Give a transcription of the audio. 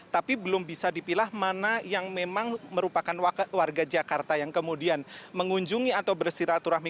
tapi belum bisa dipilah mana yang memang merupakan warga jakarta yang kemudian mengunjungi atau bersiraturahmi